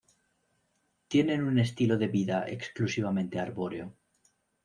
Tienen un estilo de vida exclusivamente arbóreo.